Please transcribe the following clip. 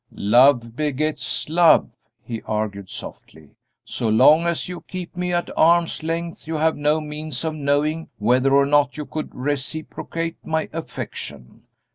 "Love begets love," he argued, softly; "so long as you keep me at arm's length you have no means of knowing whether or not you could reciprocate my affection.